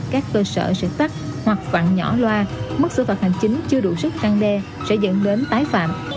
các cơ sở sử tắt hoặc quặn nhỏ loa mức xử phạt hành chính chưa đủ sức răng đe sẽ dẫn đến tái phạm